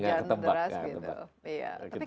tidak ketebak kan